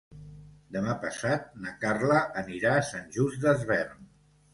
Demà passat na Carla anirà a Sant Just Desvern.